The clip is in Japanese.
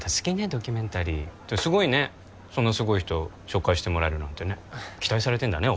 ドキュメンタリーすごいねそんなすごい人紹介してもらえるなんてね期待されてんだね